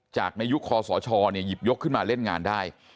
ในยุคคอสชหยิบยกขึ้นมาเล่นงานได้